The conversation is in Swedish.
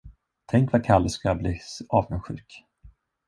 Tänk vad Kalle ska bli avundsjuk!